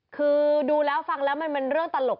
คือดูแล้วฟังแล้วมันเป็นเรื่องตลก